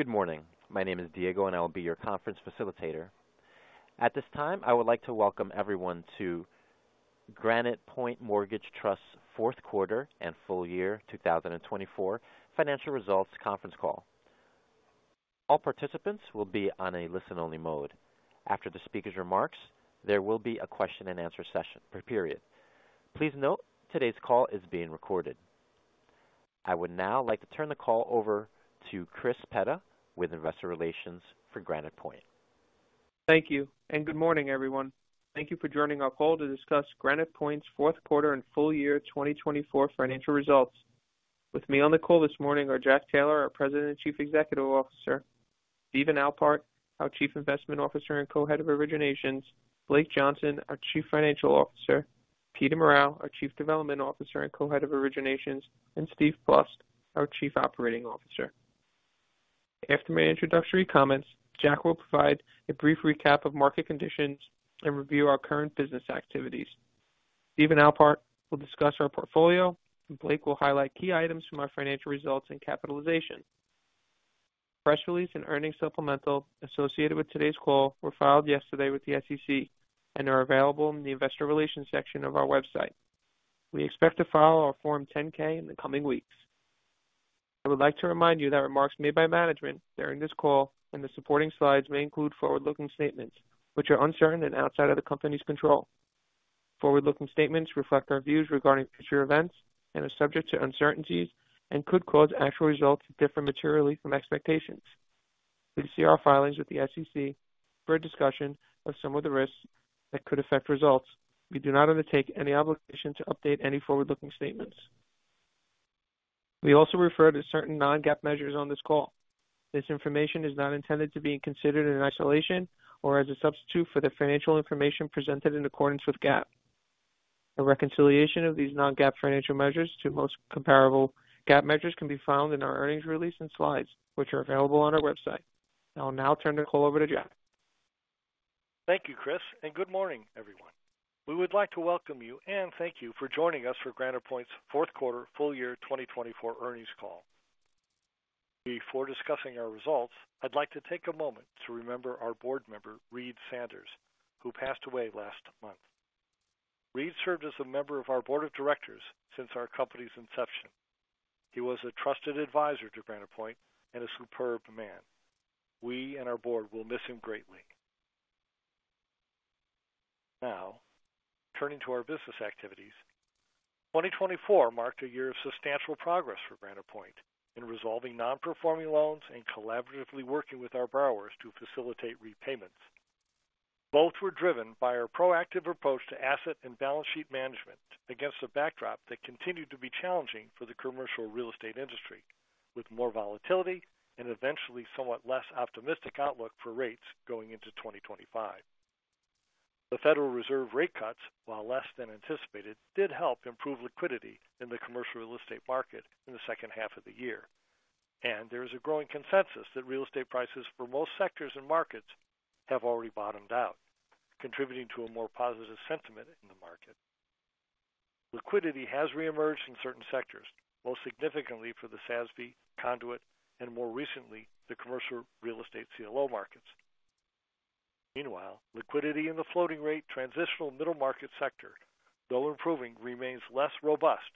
Good morning. My name is Diego, and I will be your conference facilitator. At this time, I would like to welcome everyone to Granite Point Mortgage Trust's fourth quarter and full year 2024 financial results conference call. All participants will be on a listen-only mode. After the speaker's remarks, there will be a question-and-answer session. Please note today's call is being recorded. I would now like to turn the call over to Chris Petta with Investor Relations for Granite Point. Thank you, and good morning, everyone. Thank you for joining our call to discuss Granite Point's fourth quarter and full year 2024 financial results. With me on the call this morning are Jack Taylor, our President and Chief Executive Officer; Steven Alpart, our Chief Investment Officer and Co-Head of Originations; Blake Johnson, our Chief Financial Officer; Peter Morrell, our Chief Development Officer and Co-Head of Originations; and Steve Plust, our Chief Operating Officer. After my introductory comments, Jack will provide a brief recap of market conditions and review our current business activities. Steven Alpart will discuss our portfolio, and Blake will highlight key items from our financial results and capitalization. Press release and earnings supplemental associated with today's call were filed yesterday with the SEC and are available in the Investor Relations section of our website. We expect to file our Form 10-K in the coming weeks. I would like to remind you that remarks made by management during this call and the supporting slides may include forward-looking statements, which are uncertain and outside of the company's control. Forward-looking statements reflect our views regarding future events and are subject to uncertainties and could cause actual results to differ materially from expectations. Please see our filings with the SEC for a discussion of some of the risks that could affect results. We do not undertake any obligation to update any forward-looking statements. We also refer to certain non-GAAP measures on this call. This information is not intended to be considered in isolation or as a substitute for the financial information presented in accordance with GAAP. A reconciliation of these non-GAAP financial measures to most comparable GAAP measures can be found in our earnings release and slides, which are available on our website. I'll now turn the call over to Jack. Thank you, Chris, and good morning, everyone. We would like to welcome you and thank you for joining us for Granite Point's fourth quarter full year 2024 earnings call. Before discussing our results, I'd like to take a moment to remember our board member, Reed Sanders, who passed away last month. Reed served as a member of our board of directors since our company's inception. He was a trusted advisor to Granite Point and a superb man. We and our board will miss him greatly. Now, turning to our business activities, 2024 marked a year of substantial progress for Granite Point in resolving non-performing loans and collaboratively working with our borrowers to facilitate repayments. Both were driven by our proactive approach to asset and balance sheet management against a backdrop that continued to be challenging for the commercial real estate industry, with more volatility and eventually somewhat less optimistic outlook for rates going into 2025. The Federal Reserve rate cuts, while less than anticipated, did help improve liquidity in the commercial real estate market in the second half of the year, and there is a growing consensus that real estate prices for most sectors and markets have already bottomed out, contributing to a more positive sentiment in the market. Liquidity has reemerged in certain sectors, most significantly for the SASB, Conduit, and more recently the commercial real estate CLO markets. Meanwhile, liquidity in the floating rate transitional middle market sector, though improving, remains less robust,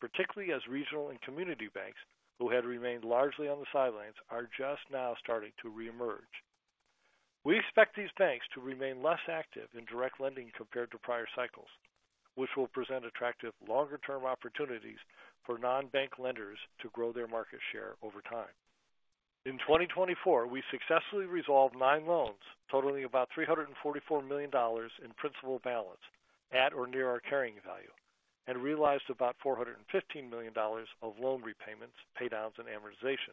particularly as regional and community banks, who had remained largely on the sidelines, are just now starting to reemerge. We expect these banks to remain less active in direct lending compared to prior cycles, which will present attractive longer-term opportunities for non-bank lenders to grow their market share over time. In 2024, we successfully resolved nine loans totaling about $344 million in principal balance at or near our carrying value and realized about $415 million of loan repayments, paydowns, and amortization,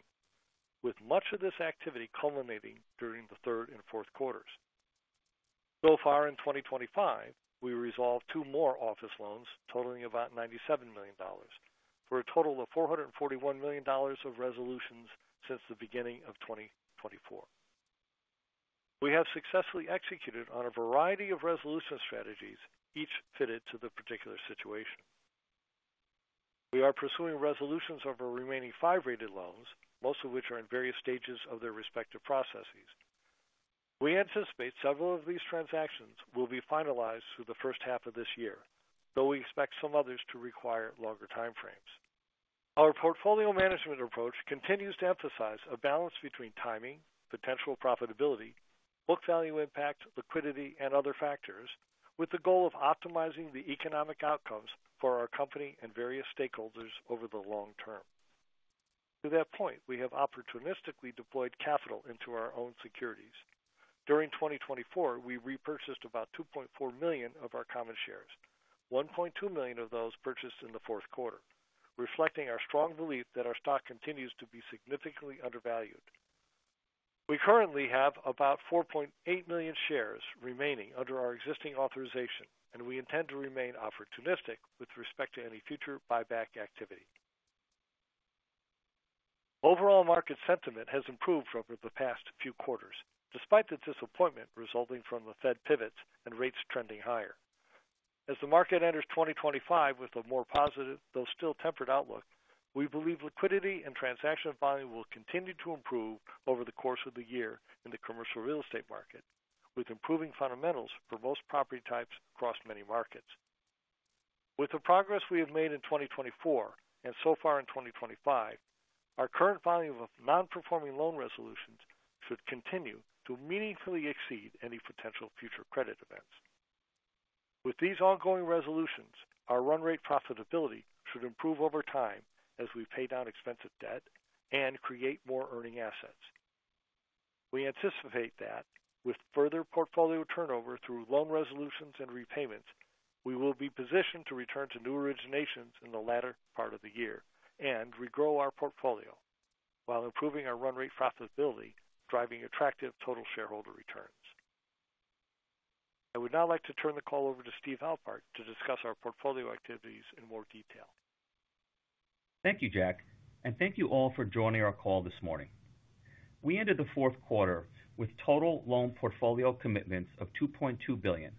with much of this activity culminating during the third and fourth quarters. In 2025, we resolved two more office loans totaling about $97 million, for a total of $441 million of resolutions since the beginning of 2024. We have successfully executed on a variety of resolution strategies, each fitted to the particular situation. We are pursuing resolutions of our remaining five rated loans, most of which are in various stages of their respective processes. We anticipate several of these transactions will be finalized through the first half of this year, though we expect some others to require longer time frames. Our portfolio management approach continues to emphasize a balance between timing, potential profitability, book value impact, liquidity, and other factors, with the goal of optimizing the economic outcomes for our company and various stakeholders over the long term. To that point, we have opportunistically deployed capital into our own securities. During 2024, we repurchased about$2.4 million of our common shares, $1.2 million of those purchased in the fourth quarter, reflecting our strong belief that our stock continues to be significantly undervalued. We currently have about $4.8 million shares remaining under our existing authorization, and we intend to remain opportunistic with respect to any future buyback activity. Overall market sentiment has improved over the past few quarters, despite the disappointment resulting from the Fed pivots and rates trending higher. As the market enters 2025 with a more positive, though still tempered outlook, we believe liquidity and transaction volume will continue to improve over the course of the year in the commercial real estate market, with improving fundamentals for most property types across many markets. With the progress we have made in 2024 and so far in 2025, our current volume of non-performing loan resolutions should continue to meaningfully exceed any potential future credit events. With these ongoing resolutions, our run rate profitability should improve over time as we pay down expensive debt and create more earning assets. We anticipate that with further portfolio turnover through loan resolutions and repayments, we will be positioned to return to new originations in the latter part of the year and regrow our portfolio while improving our run rate profitability, driving attractive total shareholder returns. I would now like to turn the call over to Steve Alpart to discuss our portfolio activities in more detail. Thank you, Jack, and thank you all for joining our call this morning. We ended the fourth quarter with total loan portfolio commitments of $2.2 billion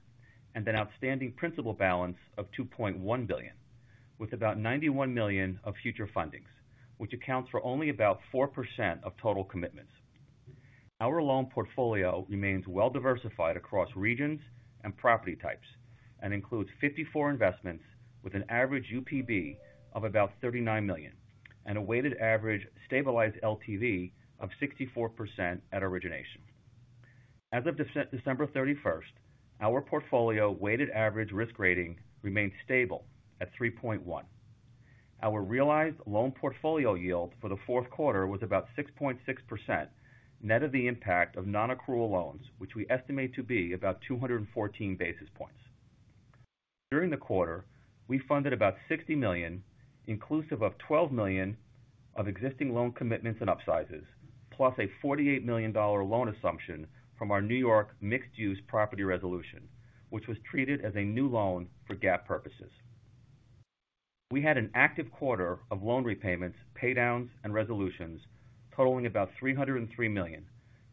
and an outstanding principal balance of $2.1 billion, with about $91 million of future fundings, which accounts for only about 4% of total commitments. Our loan portfolio remains well-diversified across regions and property types and includes 54 investments with an average UPB of about $39 million and a weighted average stabilized LTV of 64% at origination. As of December 31st, our portfolio weighted average risk rating remained stable at 3.1. Our realized loan portfolio yield for the fourth quarter was about 6.6% net of the impact of non-accrual loans, which we estimate to be about 214 basis points. During the quarter, we funded about $60 million, inclusive of $12 million of existing loan commitments and upsizes, plus a $48 million loan assumption from our New York mixed-use property resolution, which was treated as a new loan for GAAP purposes. We had an active quarter of loan repayments, paydowns, and resolutions totaling about $303 million,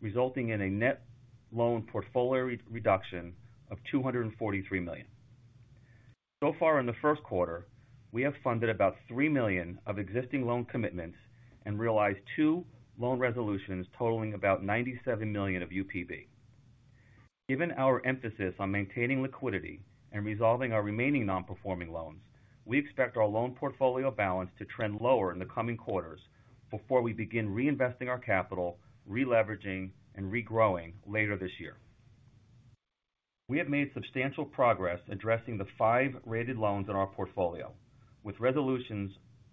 resulting in a net loan portfolio reduction of $243 million. So far in the first quarter, we have funded about $3 million of existing loan commitments and realized two loan resolutions totaling about $97 million of UPB. Given our emphasis on maintaining liquidity and resolving our remaining non-performing loans, we expect our loan portfolio balance to trend lower in the coming quarters before we begin reinvesting our capital, re-leveraging, and regrowing later this year. We have made substantial progress addressing the five rated loans in our portfolio, with resolutions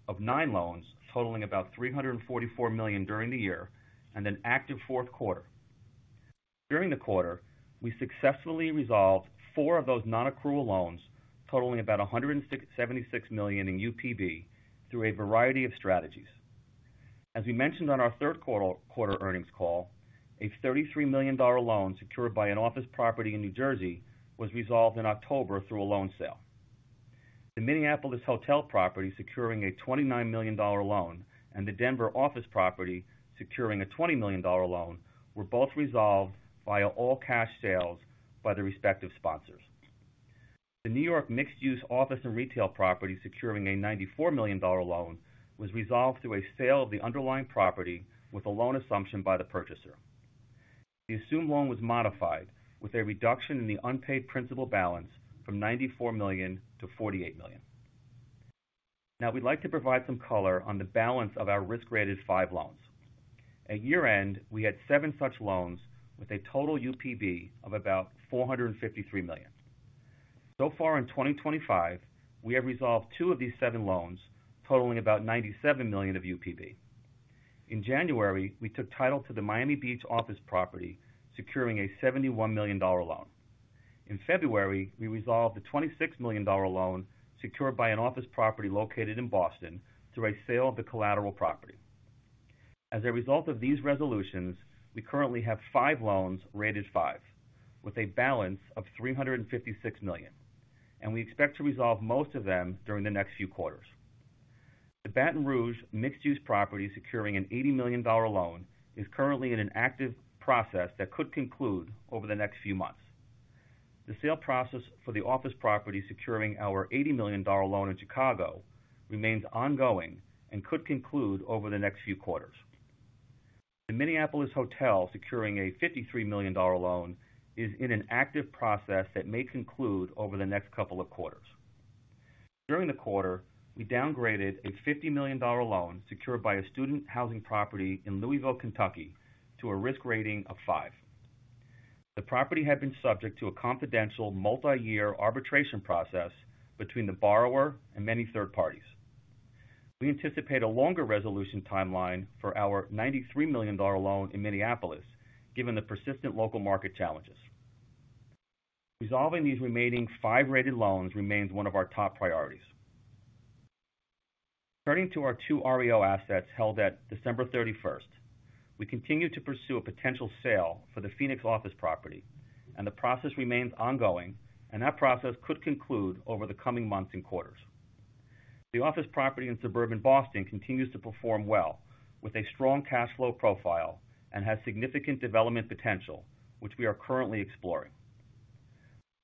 of nine loans totaling about $344 million during the year and an active fourth quarter. During the quarter, we successfully resolved four of those non-accrual loans totaling about $176 million in UPB through a variety of strategies. As we mentioned on our third quarter earnings call, a $33 million loan secured by an office property in New Jersey was resolved in October through a loan sale. The Minneapolis hotel property securing a $29 million loan and the Denver office property securing a $20 million loan were both resolved via all cash sales by the respective sponsors. The New York mixed-use office and retail property securing a $94 million loan was resolved through a sale of the underlying property with a loan assumption by the purchaser. The assumed loan was modified with a reduction in the unpaid principal balance from $94 million to $48 million. Now, we'd like to provide some color on the balance of our risk-rated five loans. At year-end, we had seven such loans with a total UPB of about $453 million. At this point in 2025, we have resolved two of these seven loans totaling about $97 million of UPB. In January, we took title to the Miami Beach office property securing a $71 million loan. In February, we resolved the $26 million loan secured by an office property located in Boston through a sale of the collateral property. As a result of these resolutions, we currently have five loans rated five, with a balance of $356 million, and we expect to resolve most of them during the next few quarters. The Baton Rouge mixed-use property securing an $80 million loan is currently in an active process that could conclude over the next few months. The sale process for the office property securing our $80 million loan in Chicago remains ongoing and could conclude over the next few quarters. The Minneapolis hotel securing a $53 million loan is in an active process that may conclude over the next couple of quarters. During the quarter, we downgraded a $50 million loan secured by a student housing property in Louisville, Kentucky, to a risk rating of five. The property had been subject to a confidential multi-year arbitration process between the borrower and many third parties. We anticipate a longer resolution timeline for our $93 million loan in Minneapolis, given the persistent local market challenges. Resolving these remaining five rated loans remains one of our top priorities. Turning to our two REO assets held at December 31st, we continue to pursue a potential sale for the Phoenix office property, and the process remains ongoing, and that process could conclude over the coming months and quarters. The office property in suburban Boston continues to perform well with a strong cash flow profile and has significant development potential, which we are currently exploring.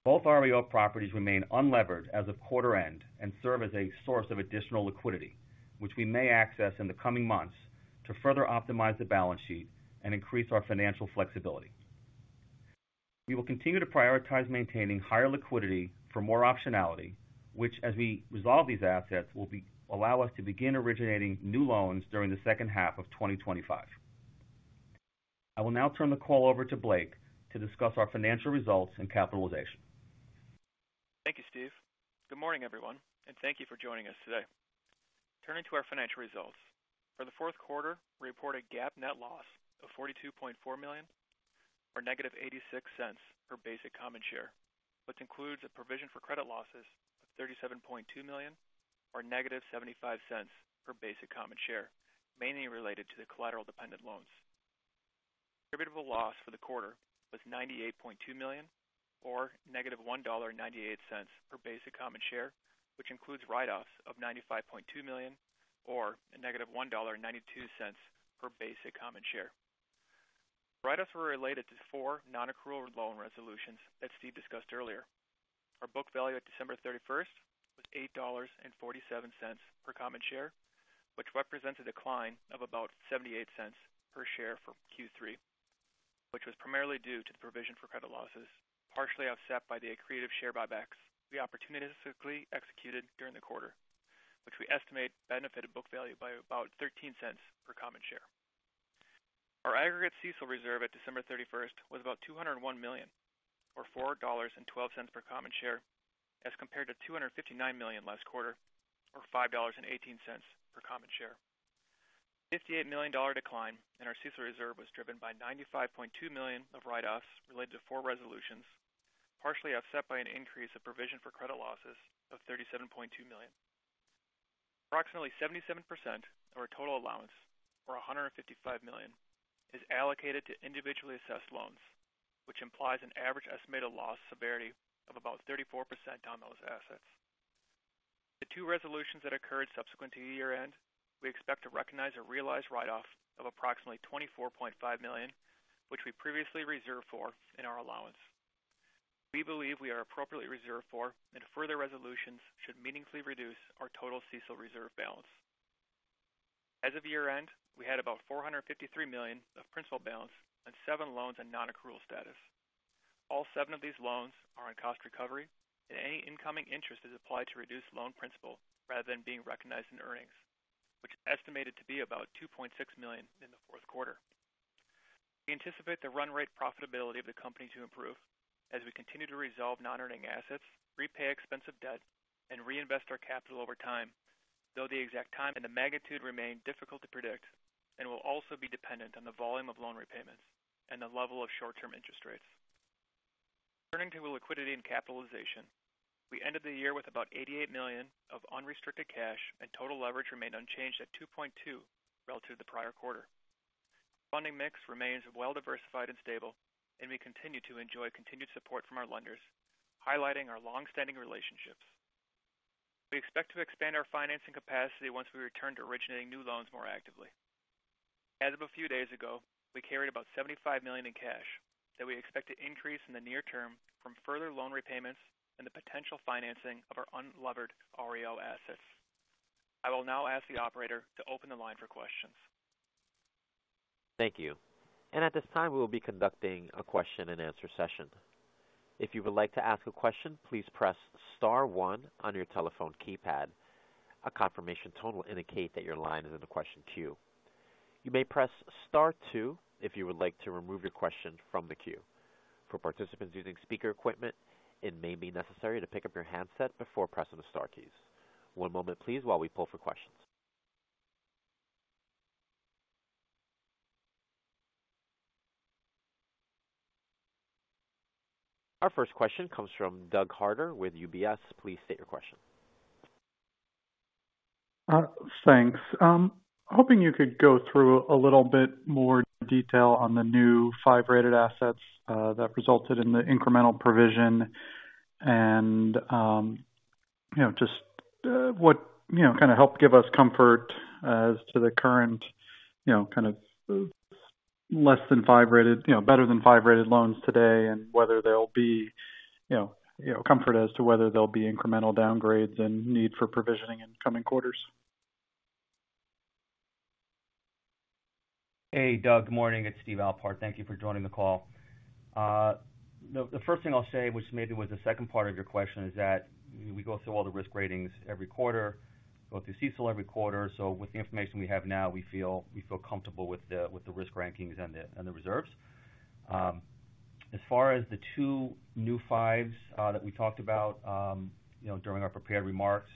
Both REO properties remain unlevered as of quarter end and serve as a source of additional liquidity, which we may access in the coming months to further optimize the balance sheet and increase our financial flexibility. We will continue to prioritize maintaining higher liquidity for more optionality, which, as we resolve these assets, will allow us to begin originating new loans during the second half of 2025. I will now turn the call over to Blake to discuss our financial results and capitalization. Thank you, Steve. Good morning, everyone, and thank you for joining us today. Turning to our financial results, for the fourth quarter, we report a GAAP net loss of $42.4 million or -$0.86 per basic common share, which includes a provision for credit losses of $37.2 million or -$0.75 per basic common share, mainly related to the collateral-dependent loans. Attributable loss for the quarter was $98.2 million or -$1.98 per basic common share, which includes write-offs of $95.2 million or -$1.92 per basic common share. Write-offs were related to four non-accrual loan resolutions that Steve discussed earlier. Our book value at December 31st was $8.47 per common share, which represents a decline of about $0.78 per share for Q3, which was primarily due to the provision for credit losses, partially offset by the accretive share buybacks we opportunistically executed during the quarter, which we estimate benefited book value by about $0.13 per common share. Our aggregate CECL reserve at December 31st was about $201 million or $4.12 per common share, as compared to $259 million last quarter or $5.18 per common share. The $58 million decline in our CECL reserve was driven by $95.2 million of write-offs related to four resolutions, partially offset by an increase of provision for credit losses of $37.2 million. Approximately 77% of our total allowance, or $155 million, is allocated to individually assessed loans, which implies an average estimated loss severity of about 34% on those assets. The two resolutions that occurred subsequent to year-end, we expect to recognize a realized write-off of approximately $24.5 million, which we previously reserved for in our allowance. We believe we are appropriately reserved for, and further resolutions should meaningfully reduce our total CECL reserve balance. As of year-end, we had about $453 million of principal balance and seven loans in non-accrual status. All seven of these loans are in cost recovery, and any incoming interest is applied to reduce loan principal rather than being recognized in earnings, which is estimated to be about $2.6 million in the fourth quarter. We anticipate the run rate profitability of the company to improve as we continue to resolve non-earning assets, repay expensive debt, and reinvest our capital over time, though the exact time and the magnitude remain difficult to predict and will also be dependent on the volume of loan repayments and the level of short-term interest rates. Turning to liquidity and capitalization, we ended the year with about $88 million of unrestricted cash, and total leverage remained unchanged at 2.2 relative to the prior quarter. Funding mix remains well-diversified and stable, and we continue to enjoy continued support from our lenders, highlighting our long-standing relationships. We expect to expand our financing capacity once we return to originating new loans more actively. As of a few days ago, we carried about $75 million in cash that we expect to increase in the near term from further loan repayments and the potential financing of our unlevered REO assets. I will now ask the operator to open the line for questions. Thank you. At this time, we will be conducting a question-and-answer session. If you would like to ask a question, please press star one on your telephone keypad. A confirmation tone will indicate that your line is in the question queue. You may press star two if you would like to remove your question from the queue. For participants using speaker equipment, it may be necessary to pick up your handset before pressing the star keys. One moment, please, while we pull for questions. Our first question comes from Doug Harter with UBS. Please state your question. Thanks. Hoping you could go through a little bit more detail on the new five-rated assets that resulted in the incremental provision and just kind of help give us comfort as to the current kind of less than five-rated, better than five-rated loans today and whether there'll be comfort as to whether there'll be incremental downgrades and need for provisioning in coming quarters. Hey, Doug. Good morning. It's Steve Alpart. Thank you for joining the call. The first thing I'll say, which maybe was the second part of your question, is that we go through all the risk ratings every quarter, go through CECL every quarter. With the information we have now, we feel comfortable with the risk rankings and the reserves. As far as the two new fives that we talked about during our prepared remarks,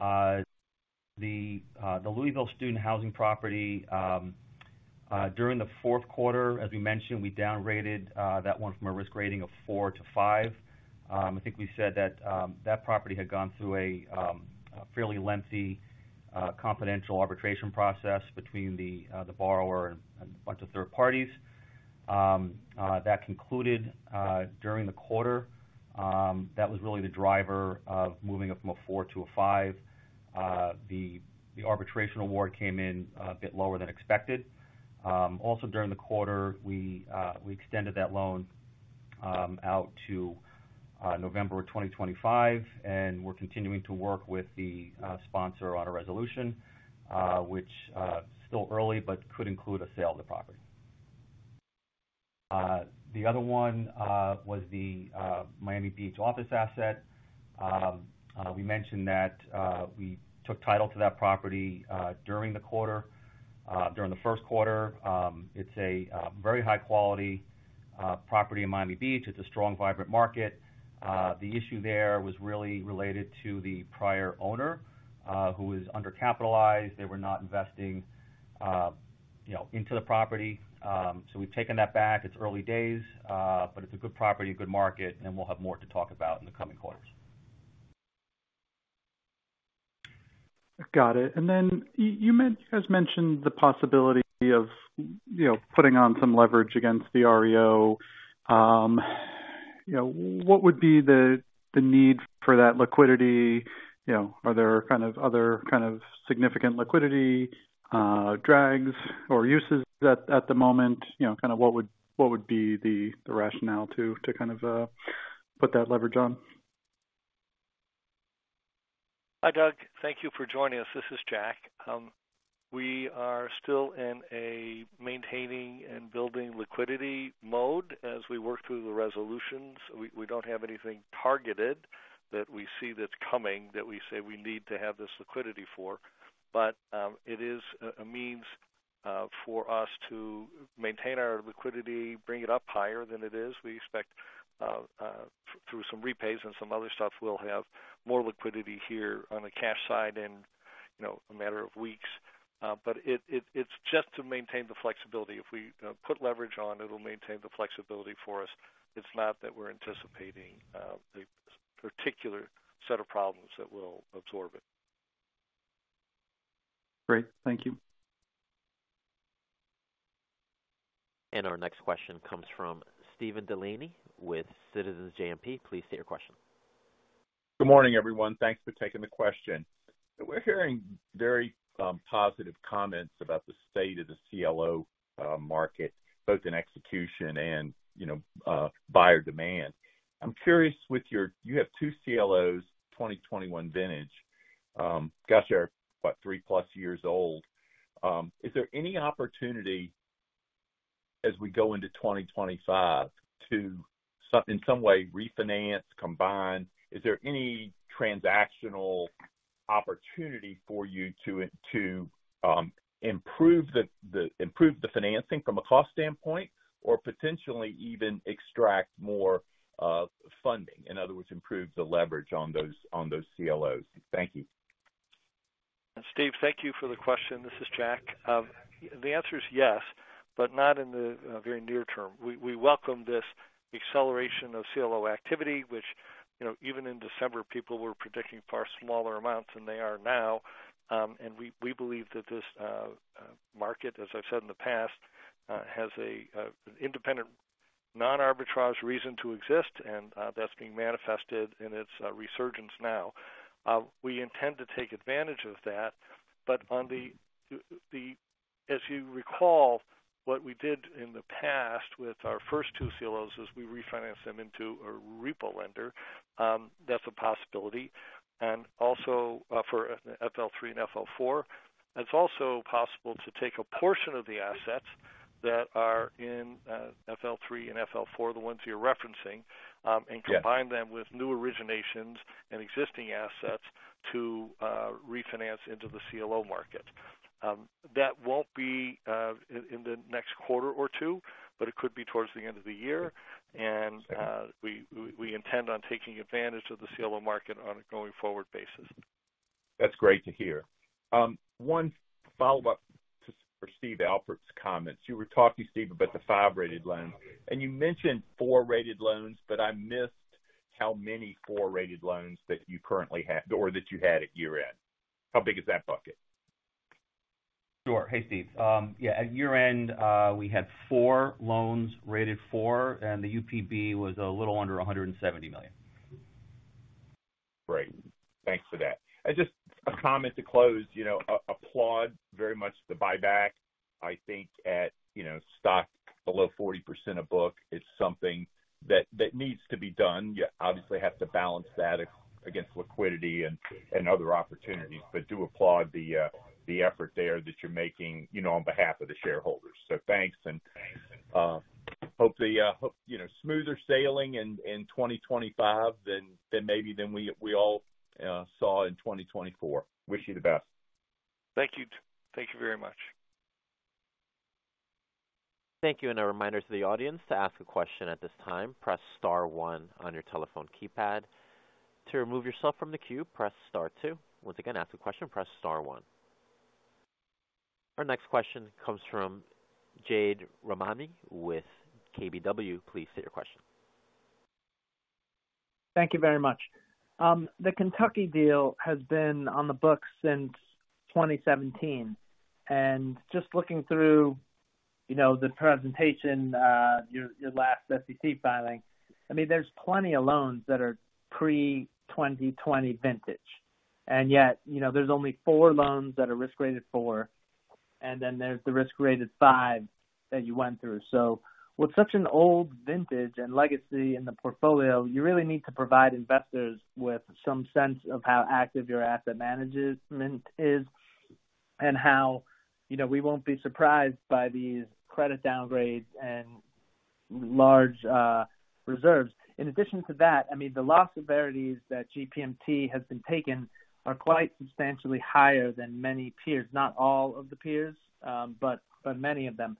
the Louisville student housing property, during the fourth quarter, as we mentioned, we downgraded that one from a risk rating of four to five. I think we said that that property had gone through a fairly lengthy confidential arbitration process between the borrower and a bunch of third parties. That concluded during the quarter. That was really the driver of moving it from a four to a five. The arbitration award came in a bit lower than expected. Also, during the quarter, we extended that loan out to November of 2025, and we're continuing to work with the sponsor on a resolution, which is still early, but could include a sale of the property. The other one was the Miami Beach office asset. We mentioned that we took title to that property during the quarter. During the first quarter, it's a very high-quality property in Miami Beach. It's a strong, vibrant market. The issue there was really related to the prior owner who was undercapitalized. They were not investing into the property. We have taken that back. It's early days, but it's a good property, a good market, and we'll have more to talk about in the coming quarters. Got it. You guys mentioned the possibility of putting on some leverage against the REO. What would be the need for that liquidity? Are there kind of other significant liquidity drags or uses at the moment? What would be the rationale to put that leverage on? Hi, Doug. Thank you for joining us. This is Jack. We are still in a maintaining and building liquidity mode as we work through the resolutions. We do not have anything targeted that we see that is coming that we say we need to have this liquidity for, but it is a means for us to maintain our liquidity, bring it up higher than it is. We expect through some repays and some other stuff, we will have more liquidity here on the cash side in a matter of weeks. It is just to maintain the flexibility. If we put leverage on, it will maintain the flexibility for us. It is not that we are anticipating a particular set of problems that will absorb it. Great. Thank you. Our next question comes from Steven Delaney with Citizens JMP. Please state your question. Good morning, everyone. Thanks for taking the question. We're hearing very positive comments about the state of the CLO market, both in execution and buyer demand. I'm curious, with your—you have two CLOs, 2021 vintage. Gotcha, what, three-plus years old. Is there any opportunity, as we go into 2025, to in some way refinance, combine? Is there any transactional opportunity for you to improve the financing from a cost standpoint or potentially even extract more funding? In other words, improve the leverage on those CLOs. Thank you. Steve, thank you for the question. This is Jack. The answer is yes, but not in the very near term. We welcome this acceleration of CLO activity, which even in December, people were predicting far smaller amounts than they are now. We believe that this market, as I've said in the past, has an independent, non-arbitrage reason to exist, and that's being manifested in its resurgence now. We intend to take advantage of that. As you recall, what we did in the past with our first two CLOs is we refinanced them into a repo lender. That's a possibility. Also for FL3 and FL4, it's possible to take a portion of the assets that are in FL3 and FL4, the ones you're referencing, and combine them with new originations and existing assets to refinance into the CLO market. That won't be in the next quarter or two, but it could be towards the end of the year. We intend on taking advantage of the CLO market on a going-forward basis. That's great to hear. One follow-up for Steve Alpart's comments. You were talking, Steve, about the five-rated loans. You mentioned four-rated loans, but I missed how many four-rated loans that you currently have or that you had at year-end. How big is that bucket? Sure. Hey, Steve. Yeah, at year-end, we had four loans rated four, and the UPB was a little under $170 million. Great. Thanks for that. Just a comment to close. Applaud very much the buyback. I think at stock below 40% of book, it's something that needs to be done. You obviously have to balance that against liquidity and other opportunities, but do applaud the effort there that you're making on behalf of the shareholders. Thanks, and hope the smoother sailing in 2025 than maybe than we all saw in 2024. Wish you the best. Thank you. Thank you very much. Thank you. A reminder to the audience to ask a question at this time. Press star one on your telephone keypad. To remove yourself from the queue, press star two. Once again, to ask a question, press star one. Our next question comes from Jade Rahmani with KBW. Please state your question. Thank you very much. The Kentucky deal has been on the books since 2017. Just looking through the presentation, your last SEC filing, I mean, there are plenty of loans that are pre-2020 vintage. Yet there are only four loans that are risk-rated four, and then there is the risk-rated five that you went through. With such an old vintage and legacy in the portfolio, you really need to provide investors with some sense of how active your asset management is and how we will not be surprised by these credit downgrades and large reserves. In addition to that, I mean, the loss severities that GPMT has been taking are quite substantially higher than many peers, not all of the peers, but many of them.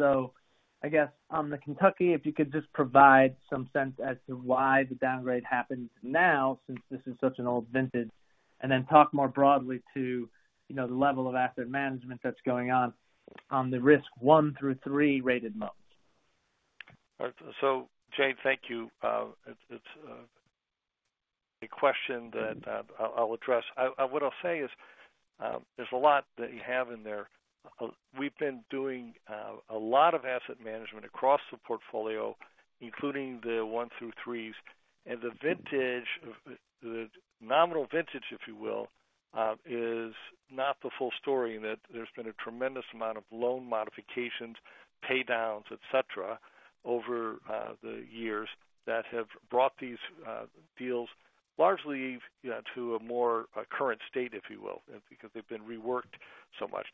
I guess on the Kentucky, if you could just provide some sense as to why the downgrade happens now since this is such an old vintage, and then talk more broadly to the level of asset management that's going on on the risk one through three-rated loans. Jade, thank you. It's a question that I'll address. What I'll say is there's a lot that you have in there. We've been doing a lot of asset management across the portfolio, including the one through threes. The nominal vintage, if you will, is not the full story in that there's been a tremendous amount of loan modifications, paydowns, etc., over the years that have brought these deals largely to a more current state, if you will, because they've been reworked so much.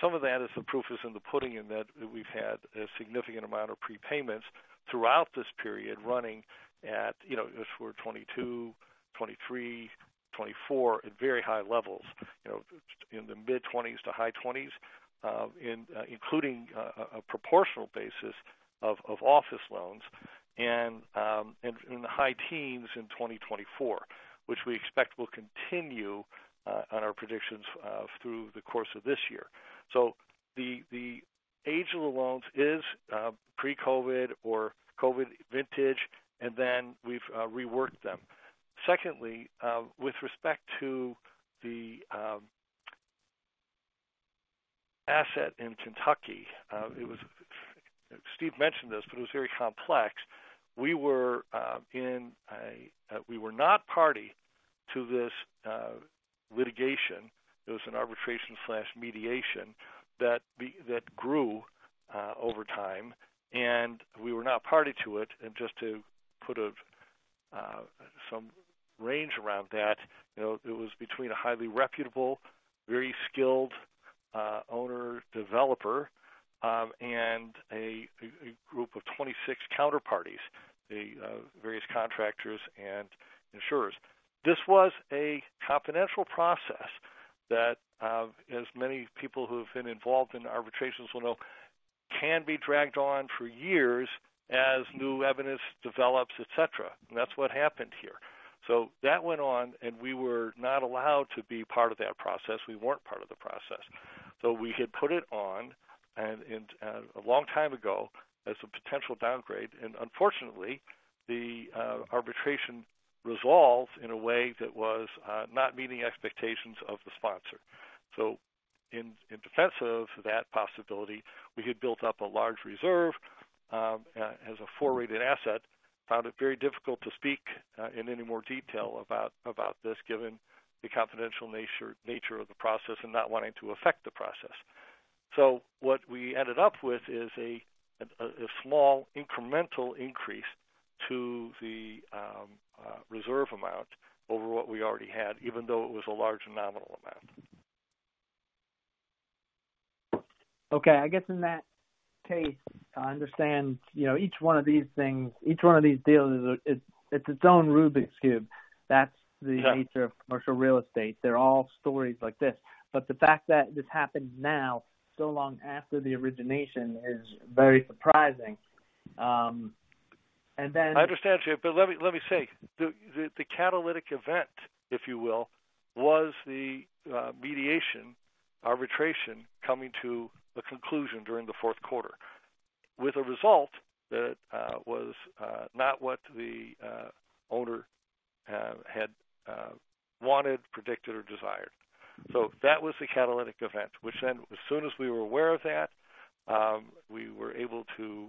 Some of that is the proof is in the pudding in that we've had a significant amount of prepayments throughout this period running at, if we're 2022, 2023, 2024, at very high levels in the mid-20s to high 20s, including a proportional basis of office loans and in the high teens in 2024, which we expect will continue on our predictions through the course of this year. The age of the loans is pre-COVID or COVID vintage, and then we've reworked them. Secondly, with respect to the asset in Kentucky, Steve mentioned this, but it was very complex. We were in a—we were not party to this litigation. It was an arbitration/mediation that grew over time, and we were not party to it. Just to put some range around that, it was between a highly reputable, very skilled owner-developer, and a group of 26 counterparties, various contractors and insurers. This was a confidential process that, as many people who have been involved in arbitrations will know, can be dragged on for years as new evidence develops, etc. That is what happened here. That went on, and we were not allowed to be part of that process. We were not part of the process. We had put it on a long time ago as a potential downgrade. Unfortunately, the arbitration resolved in a way that was not meeting expectations of the sponsor. In defense of that possibility, we had built up a large reserve as a four-rated asset, found it very difficult to speak in any more detail about this given the confidential nature of the process and not wanting to affect the process. What we ended up with is a small incremental increase to the reserve amount over what we already had, even though it was a large nominal amount. Okay. I guess in that case, I understand each one of these things, each one of these deals, it's its own Rubik's Cube. That's the nature of commercial real estate. They're all stories like this. The fact that this happened now, so long after the origination, is very surprising. And then. I understand you, but let me say, the catalytic event, if you will, was the mediation, arbitration coming to a conclusion during the fourth quarter, with a result that was not what the owner had wanted, predicted, or desired. That was the catalytic event, which then, as soon as we were aware of that, we were able to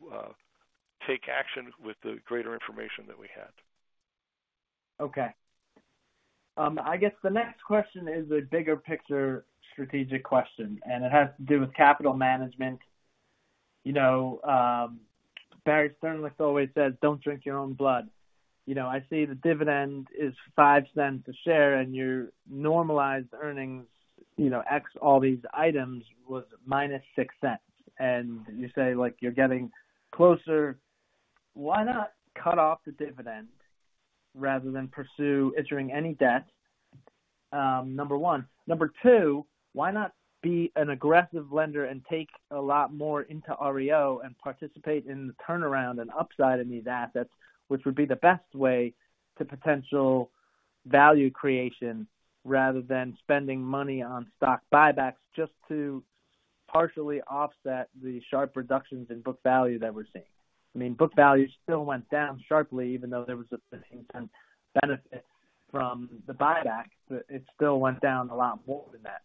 take action with the greater information that we had. Okay. I guess the next question is a bigger picture strategic question, and it has to do with capital management. Barry Sternlicht always says, "Don't drink your own blood." I see the dividend is $0.05 a share, and your normalized earnings X all these items was minus $0.06. And you say you're getting closer. Why not cut off the dividend rather than pursue issuing any debt? Number one. Number two, why not be an aggressive lender and take a lot more into REO and participate in the turnaround and upside in these assets, which would be the best way to potential value creation rather than spending money on stock buybacks just to partially offset the sharp reductions in book value that we're seeing? I mean, book value still went down sharply, even though there was an instant benefit from the buyback, but it still went down a lot more than that.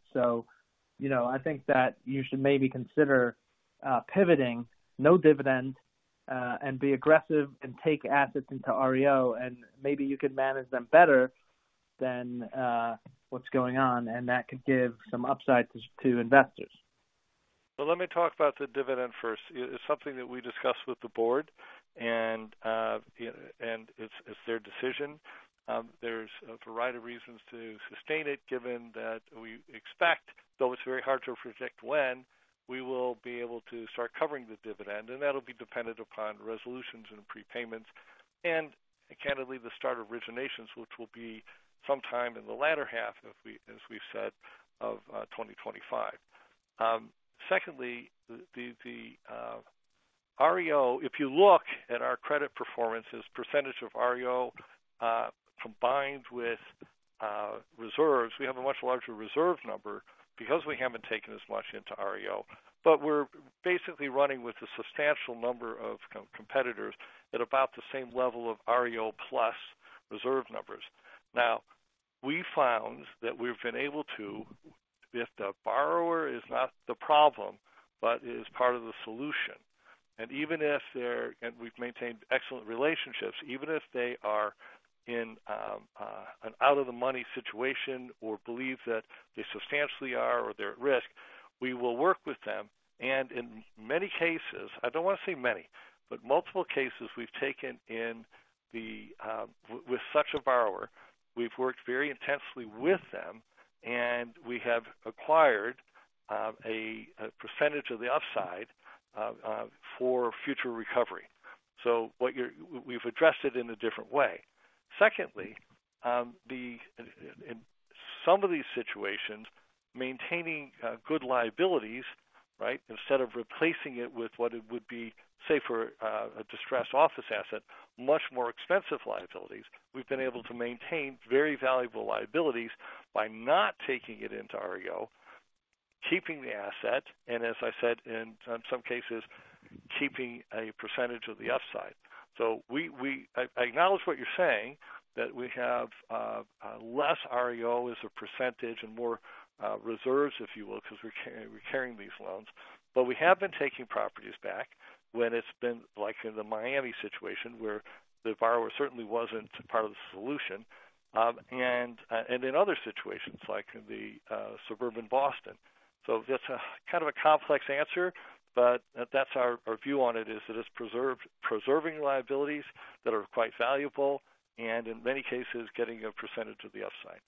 I think that you should maybe consider pivoting, no dividend, and be aggressive and take assets into REO, and maybe you can manage them better than what's going on, and that could give some upside to investors. Let me talk about the dividend first. It is something that we discussed with the board, and it is their decision. There is a variety of reasons to sustain it, given that we expect, though it is very hard to predict when, we will be able to start covering the dividend. That will be dependent upon resolutions and prepayments and, candidly, the start of originations, which will be sometime in the latter half, as we have said, of 2025. Secondly, the REO, if you look at our credit performances, percentage of REO combined with reserves, we have a much larger reserve number because we have not taken as much into REO. We are basically running with a substantial number of competitors at about the same level of REO plus reserve numbers. We found that we have been able to, if the borrower is not the problem but is part of the solution. Even if they're—and we've maintained excellent relationships—even if they are in an out-of-the-money situation or believe that they substantially are or they're at risk, we will work with them. In multiple cases we've taken in the—with such a borrower, we've worked very intensely with them, and we have acquired a percentage of the upside for future recovery. We have addressed it in a different way. Secondly, in some of these situations, maintaining good liabilities, right, instead of replacing it with what it would be, say, for a distressed office asset, much more expensive liabilities, we've been able to maintain very valuable liabilities by not taking it into REO, keeping the asset, and as I said, in some cases, keeping a percentage of the upside. I acknowledge what you're saying, that we have less REO as a percentage and more reserves, if you will, because we're carrying these loans. We have been taking properties back when it's been like in the Miami situation where the borrower certainly wasn't part of the solution and in other situations like in the suburban Boston. That's kind of a complex answer, but that's our view on it, is that it's preserving liabilities that are quite valuable and, in many cases, getting a percentage of the upside.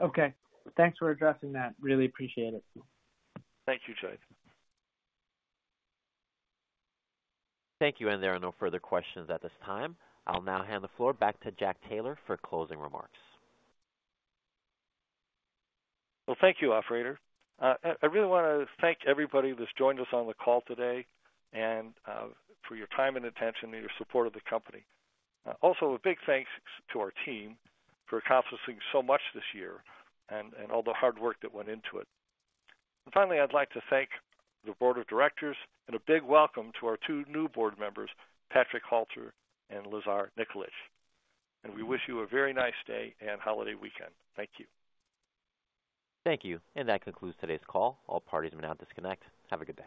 Okay. Thanks for addressing that. Really appreciate it. Thank you, Jade. Thank you. There are no further questions at this time. I'll now hand the floor back to Jack Taylor for closing remarks. Thank you, operator. I really want to thank everybody that's joined us on the call today and for your time and attention and your support of the company. Also, a big thanks to our team for accomplishing so much this year and all the hard work that went into it. Finally, I'd like to thank the board of directors and a big welcome to our two new board members, Patrick Halter and Lazar Nikolic. We wish you a very nice day and holiday weekend. Thank you. Thank you. That concludes today's call. All parties may now disconnect. Have a good day.